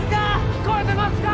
聞こえてますか！？